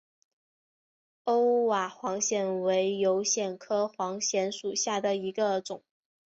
欧瓦黄藓为油藓科黄藓属下的一个种。